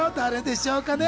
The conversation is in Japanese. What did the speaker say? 誰でしょうかね